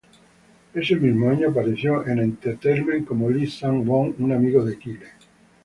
Ese mismo año apareció en Entertainer como Lee Sang-won, un amigo de Kyle.